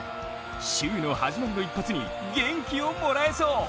週の始まりの一発に元気をもらえそう！